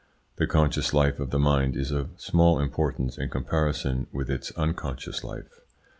The conscious life of the mind is of small importance in comparison with its unconscious life.